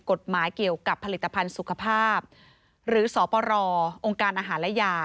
กฎหมายเกี่ยวกับผลิตภัณฑ์สุขภาพหรือสปรอองค์การอาหารและยา